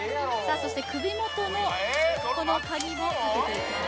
そして首元のこの鍵もかけていきます